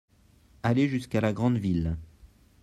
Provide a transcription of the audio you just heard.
Aller jusqu'à la grande ville.